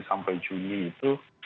sampai juli itu